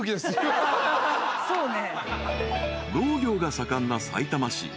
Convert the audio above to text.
そうね。